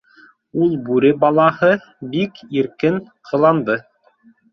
Ул бүре балаһы бик иркен ҡыланды.